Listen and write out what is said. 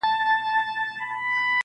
• اوس هغه سالار شیطان ته پر سجده دی -